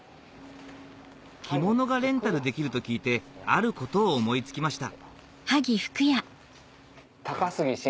着物がレンタルできると聞いてあることを思い付きました